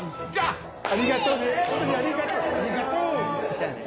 じゃあね。